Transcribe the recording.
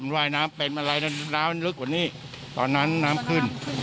มันว่าน้ำเป็นอะไรน้ำมันลึกกว่านี้ตอนนั้นน้ำขึ้น